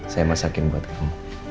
saya masakin buat kamu